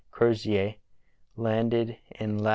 Crozier, landed in Lat.